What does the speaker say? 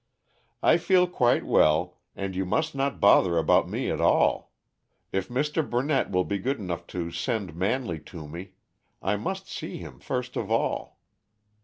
"I feel quite well, and you must not bother about me at all. If Mr. Burnett will be good enough to send Manley to me I must see him first of all."